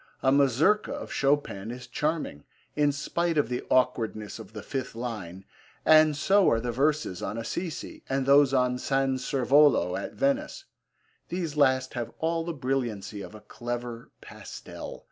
A Mazurka of Chopin is charming, in spite of the awkwardness of the fifth line, and so are the verses on Assisi, and those on San Servolo at Venice. These last have all the brilliancy of a clever pastel.